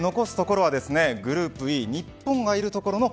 残すところはグループＥ日本がいるところの